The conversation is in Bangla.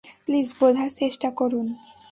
প্লিজ বোঝার চেষ্টা করুন।